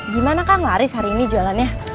gimana kang laris hari ini jalannya